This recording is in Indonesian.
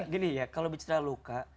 gini ya kalau bicara luka